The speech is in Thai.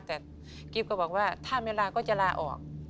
แต่กิ๊บก็บอกว่าถ้าไม่ลาก็จะลาออก